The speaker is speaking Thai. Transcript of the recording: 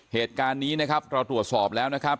เหตุการณ์นี้นะครับเราตรวจสอบแล้วนะครับ